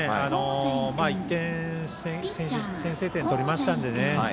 １点先制点取りましたのでね。